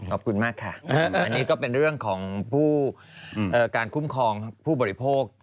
ขอบคุณมากค่ะอันนี้ก็เป็นเรื่องของผู้การคุ้มครองผู้บริโภค